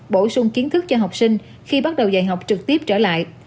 bổ sung kiến thức cho học sinh khi bắt đầu dạy học trực tiếp trở lại